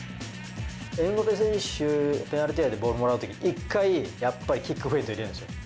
エムバペ選手、ペナルティーエリアでボールもらうとき、一回、やっぱりキックフェイント入れるんですよ。